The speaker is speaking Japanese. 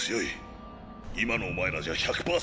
今のお前らじゃ１００％やられる。